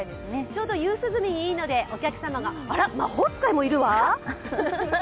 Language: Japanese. ちょうど夕涼みにいいので、お客様があら、魔法使いもいるわ！